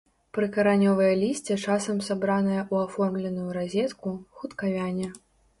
Прыкаранёвае лісце часам сабранае ў аформленую разетку, хутка вяне.